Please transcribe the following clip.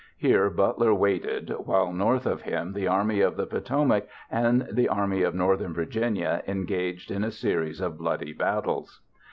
Here Butler waited, while north of him the Army of the Potomac and the Army of Northern Virginia engaged in a series of bloody battles.